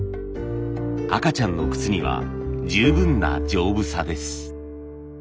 赤ちゃんの靴には十分な丈夫さです。